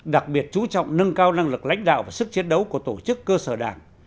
đặc biệt chú trọng nâng cao năng lực lãnh đạo và sức chiến đấu của tổ chức cơ sở đảng